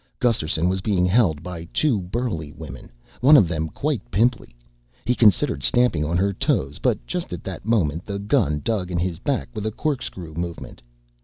Gusterson was being held by two burly women, one of them quite pimply. He considered stamping on her toes, but just at that moment the gun dug in his back with a corkscrew movement.